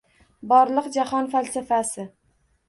Borliq jahon falsafasi.